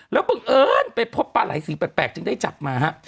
แล้วบังเอิญไปพบปลาไหลสีแปลกจึงได้จับมาฮะ